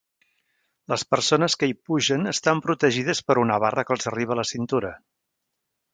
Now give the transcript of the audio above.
Les persones que hi pugen estan protegides per una barra que els arriba a la cintura.